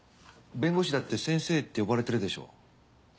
弁護士だって先生って呼ばれてるでしょ？